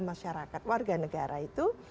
masyarakat warga negara itu